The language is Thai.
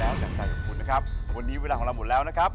วันนี้เวลาของเราหมดแล้วนะครับ